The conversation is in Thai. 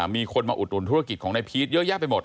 มีคนมาอุดหนุนธุรกิจของนายพีชเยอะแยะไปหมด